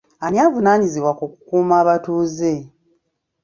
Ani avunaanyizibwa ku kukuuma abatuuze?